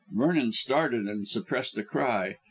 Vernon started, and suppressed a cry.